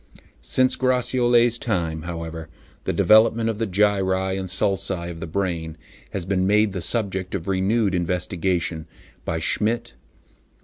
Since Gratiolet's time, however, the development of the gyri and sulci of the brain has been made the subject of renewed investigation by Schmidt, Bischoff, Pansch (78.